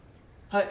はい！